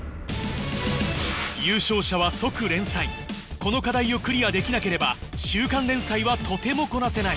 この課題をクリアできなければ週刊連載はとてもこなせない